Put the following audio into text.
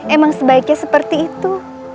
emang sebaiknya seperti itu